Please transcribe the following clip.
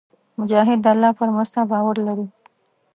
مجاهد د الله پر مرسته باور لري.